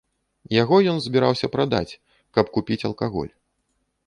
Яго ён збіраўся прадаць, каб купіць алкаголь.